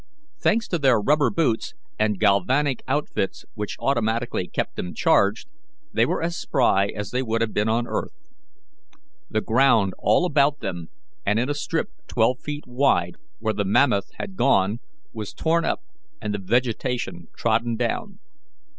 Thanks to their rubber boots and galvanic outfits which automatically kept them charged, they were as spry as they would have been on earth. The ground all about them, and in a strip twelve feet wide where the mammoth had gone, was torn up, and the vegetation trodden down.